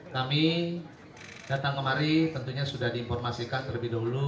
kami datang kemari tentunya sudah diinformasikan terlebih dahulu